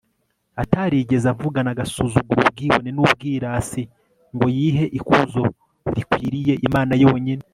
atarigeze avugana agasuzuguro ubwibone n'ubwirasi, ngo yihe ikuzo rikwiriye imana yonyine